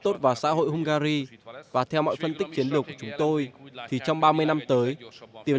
tốt vào xã hội hungary và theo mọi phân tích chiến lược của chúng tôi thì trong ba mươi năm tới tiềm